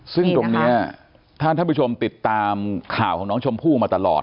ซึ่งตรงนี้ถ้าท่านผู้ชมติดตามข่าวของน้องชมพู่มาตลอด